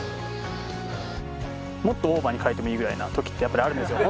もっとオーバーに描いてもいいぐらいな時ってやっぱりあるんですよ。